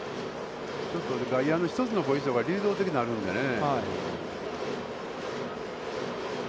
外野の一つのポジションが流動的になるんでね。